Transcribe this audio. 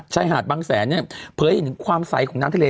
ชายหาดบางแสนเนี่ยเผยให้ถึงความใสของน้ำทะเล